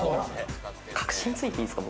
核心ついていいですか？